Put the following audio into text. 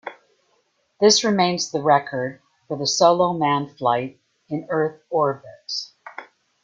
This remains the record for solo manned flight in Earth orbit.